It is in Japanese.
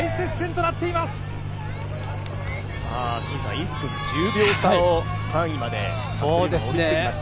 １分１０秒差で３位まで詰めてきました。